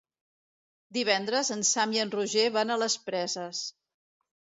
Divendres en Sam i en Roger van a les Preses.